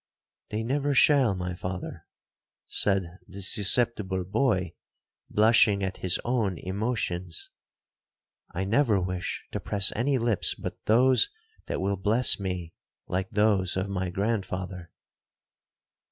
'—'They never shall, my father!' said the susceptible boy, blushing at his own emotions—'I never wish to press any lips but those that will bless me like those of my grandfather.'